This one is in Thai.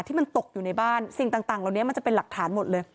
ที่มันตกอยู่ในบ้านสิ่งต่างเหล่านี้มันจะเป็นหลักฐานหมดเลย